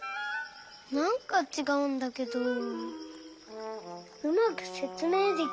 なんかちがうんだけどうまくせつめいできない。